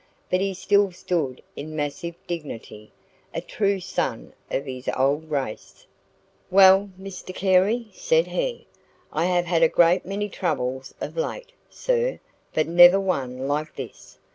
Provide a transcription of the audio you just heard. But he still stood in massive dignity, a true son of his old race. "Well, Mr Carey," said he, "I have had a great many troubles of late, sir, but never one like this.